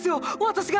私が！